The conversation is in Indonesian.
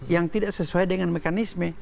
yang tidak sesuai dengan mekanisme